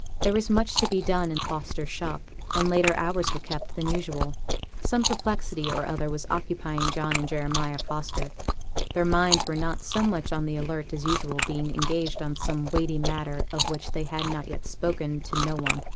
There was much to be done in Fosters' shop, and later hours were kept than usual. Some perplexity or other was occupying John and Jeremiah Foster; their minds were not so much on the alert as usual, being engaged on some weighty matter of which they had as yet spoken to no one.